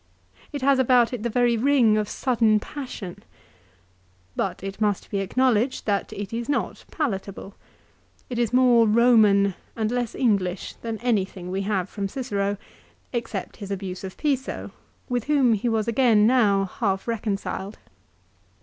It has about it the very ring of sudden passion. Bat it must be acknowledged that it is not palatable. It is more Eoman and less English than anything we have from Cicero, except his abuse of Piso, with whom he was again now half reconciled.